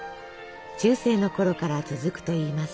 中世のころから続くといいます。